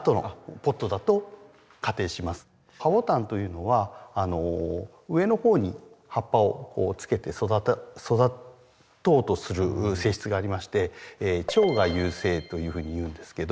ハボタンというのは上の方に葉っぱをつけて育とうとする性質がありまして頂芽優勢というふうにいうんですけど